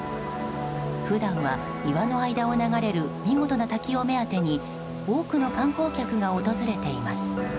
普段は、岩の間を流れる見事な滝を目当てに多くの観光客が訪れています。